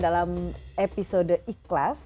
dalam episode ikhlas